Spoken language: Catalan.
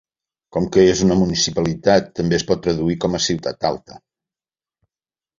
Com que és una municipalitat, també es pot traduir com a "ciutat alta".